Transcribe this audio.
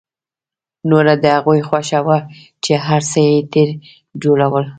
نوره د هغوی خوښه وه چې هر څه يې ترې جوړول.